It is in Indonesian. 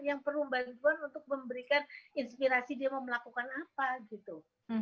yang perlu bantuan untuk memberikan inspirasi dia mau melakukan apa gitu